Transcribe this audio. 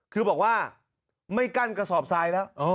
คือบอกว่าไม่กั้นกระสอบทรายแล้ว